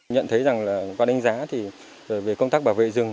nhận thấy qua đánh giá về công tác bảo vệ rừng